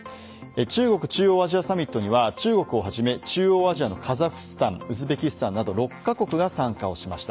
中国・中央アジアサミットには中央アジアのカザフスタンウズベキスタンなど６カ国が参加しました。